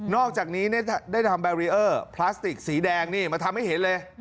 อกจากนี้ได้ทำแบรีเออร์พลาสติกสีแดงนี่มาทำให้เห็นเลย